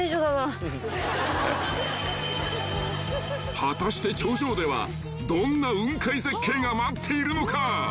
［果たして頂上ではどんな雲海絶景が待っているのか］